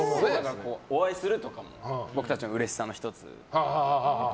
お会いするとかも僕たちのうれしさの１つで。